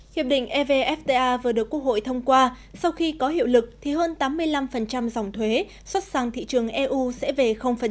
hiệp định evfta vừa được quốc hội thông qua sau khi có hiệu lực thì hơn tám mươi năm dòng thuế xuất sang thị trường eu sẽ về